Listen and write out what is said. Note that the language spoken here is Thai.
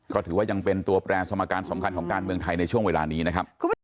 ก็ถือว่ายังเป็นตัวแปรสมการสำคัญของการเมืองไทยในช่วงเวลานี้นะครับ